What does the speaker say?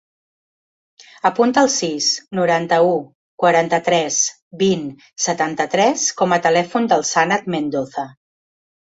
Apunta el sis, noranta-u, quaranta-tres, vint, setanta-tres com a telèfon del Sanad Mendoza.